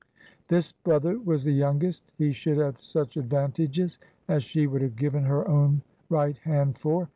This brother was the youngest. He should have such advantages as she would have given her own right hand for.